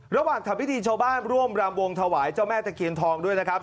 ระหว่างทำพิธีชาวบ้านร่วมรำวงถวายเจ้าแม่ตะเคียนทองด้วยนะครับ